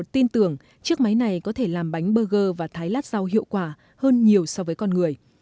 tôi tin tưởng chiếc máy này có thể làm bánh burger và thái lát rau hiệu quả hơn nhiều so với con người